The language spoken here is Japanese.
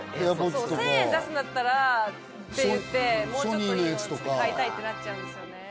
「１０００円出すんだったら」って言ってもうちょっといいのを買いたいってなっちゃうんですよね。